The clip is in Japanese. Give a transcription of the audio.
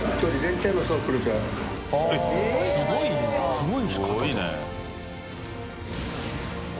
すごい！